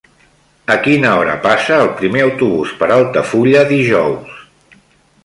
A quina hora passa el primer autobús per Altafulla dijous?